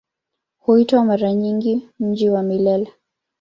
Huitwa mara nyingi "Mji wa Milele".